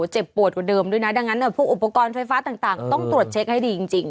เจ็บปวดกว่าเดิมด้วยนะดังนั้นพวกอุปกรณ์ไฟฟ้าต่างต้องตรวจเช็คให้ดีจริง